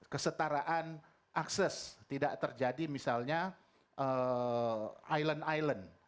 kesetaraan akses tidak terjadi misalnya island island